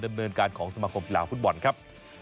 ดำเนินการของสมาคมกีฬาฟุตบอลครับ